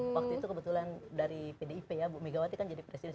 waktu itu kebetulan dari pdip ya bu megawati kan jadi presiden